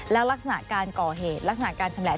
แล้วลักษณะการก่อเหตุลักษณะการชำแหละ